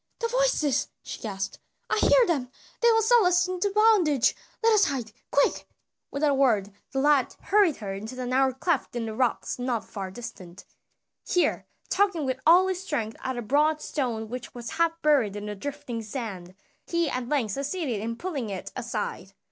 "The voices!" she gasped. "I hear them, they will sell us into bondage! Let us hide, quick!" Without a word the lad hurried her into a narrow cleft in the rocks not far distant. Here, tugging with all his strength at a broad stone which was half buried in the drifting sand, he at length succeeded in pulling it aside.